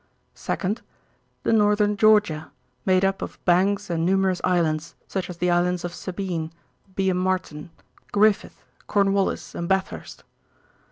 2d. The northern Georgia, made up of banks and numerous islands, such as the islands of Sabine, Byam Martin, Griffith, Cornwallis, and Bathurst.